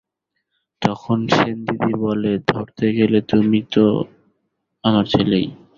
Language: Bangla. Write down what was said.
তখন সেনদিদি বলে, ধরতে গেলে তুমি তো আমার ছেলেই।